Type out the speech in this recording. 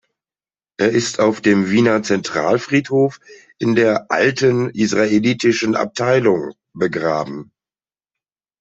Er ist auf dem Wiener Zentralfriedhof in der „Alten Israelitischen Abteilung“ begraben.